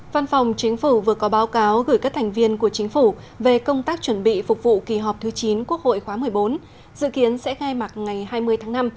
văn phòng chính phủ vừa có báo cáo gửi các thành viên của chính phủ về công tác chuẩn bị phục vụ kỳ họp thứ chín quốc hội khóa một mươi bốn dự kiến sẽ khai mạc ngày hai mươi tháng năm